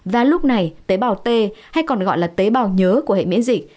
và lúc này tế bào t hay còn gọi là tế bào nhớ của hệ miễn dịch